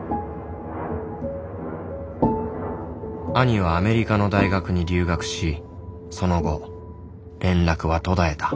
兄はアメリカの大学に留学しその後連絡は途絶えた。